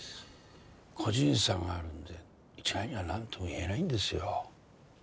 個人差があるんで一概にはなんとも言えないんですよ。